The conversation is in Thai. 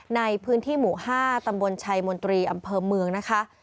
ในพื้นที่หมู่๕ตำบลชัยมนตรีอำเภอเมืองนะคะ